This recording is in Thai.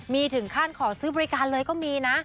มีถึงขั้นขอซื้อบริการเลยก็มีนะ